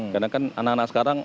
karena kan anak anak sekarang